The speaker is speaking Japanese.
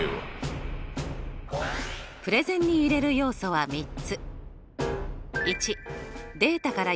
プレゼンに入れる要素は３つ。